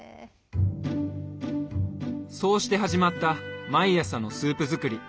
そうして始まった毎朝のスープ作り。